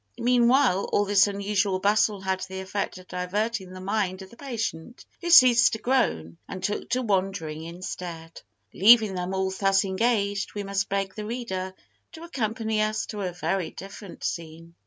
Meanwhile all this unusual bustle had the effect of diverting the mind of the patient, who ceased to groan, and took to wandering instead. Leaving them all thus engaged, we must beg the reader to accompany us to a very different scene.